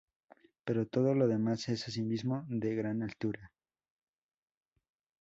Pero todo lo demás es asimismo de gran altura.